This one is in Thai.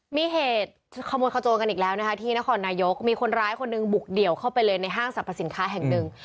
มีเหตุขโมยขโจนกันอีกแล้วนะคะที่นครนายกมีคนร้ายคนหนึ่งบุกเดี่ยวเข้าไปเลยในห้างสรรพสินค้าแห่งหนึ่ง